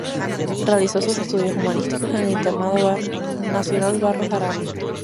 Realizó sus estudios humanísticos en el Internado Nacional Barros Arana.